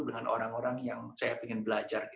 dengan orang orang yang saya ingin belajar